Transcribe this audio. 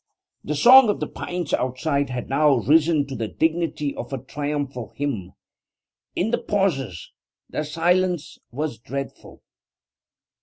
The song of the pines outside had now risen to the dignity of a triumphal hymn. In the pauses the silence was dreadful.